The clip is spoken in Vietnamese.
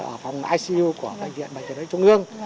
ở phòng icu của bệnh viện bệnh viện trung ương